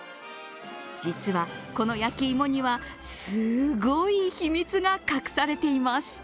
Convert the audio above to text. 実はこの焼き芋にはすごい秘密が隠されています。